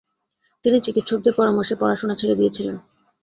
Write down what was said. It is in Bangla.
তিনি চিকিৎসকদের পরামর্শে পড়াশোনা ছেড়ে দিয়েছিলেন।